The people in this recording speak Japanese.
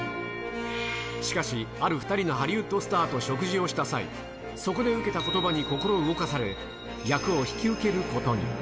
しかし、ある２人のハリウッドスターと食事をした際、そこで受けたことばに心を動かされ、役を引き受けることに。